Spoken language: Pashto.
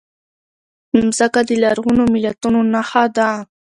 مځکه د لرغونو ملتونو نښه ده.